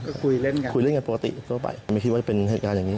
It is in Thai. ก็คุยเล่นคุยเล่นกันปกติทั่วไปไม่คิดว่าจะเป็นเหตุการณ์อย่างนี้